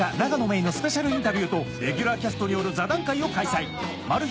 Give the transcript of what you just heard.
郁のスペシャルインタビューとレギュラーキャストによる座談会を開催マル秘